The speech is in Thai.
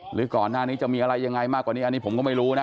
หรือก่อนหน้านี้จะมีอะไรยังไงมากกว่านี้อันนี้ผมก็ไม่รู้นะ